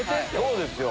そうですよ